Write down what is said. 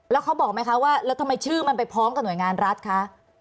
แล้วเขาบอกไหมคะว่าแล้วทำไมชื่อมันไปพร้อมกับหน่วยงานรัฐคะ